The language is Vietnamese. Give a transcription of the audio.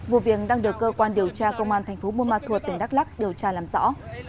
vụ viện đang được cơ quan điều tra công an thành phố buôn ma thuột tỉnh đắk lắc điều tra làm rõ